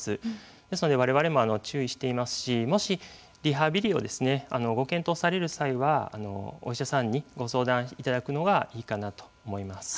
ですのでわれわれも注意していますしもしリハビリをご検討される際はお医者さんにご相談いただくのがいいかなと思います。